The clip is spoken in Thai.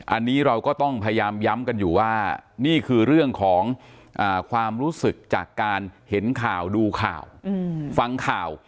อันนี้เราก็ต้องพยายามย้ำกันอยู่ว่านี่คือเรื่องของความรู้สึกจากการเห็นข่าวดูข่าวฟังข่าว